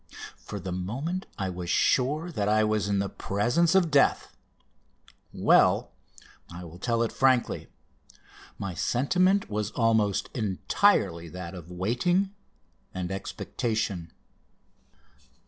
For the moment I was sure that I was in the presence of death. Well, I will tell it frankly, my sentiment was almost entirely that of waiting and expectation.